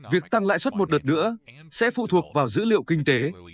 việc tăng lãi suất một đợt nữa sẽ phụ thuộc vào dữ liệu kinh tế